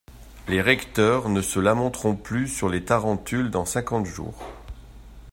Les recteurs ne se lamenteront plus sur les tarentules dans cinquante jours.